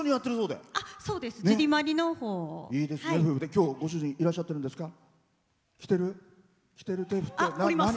今日、ご主人いらっしゃってるんですか？